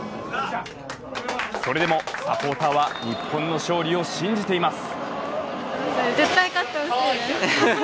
それでもサポーターは日本の勝利を信じています。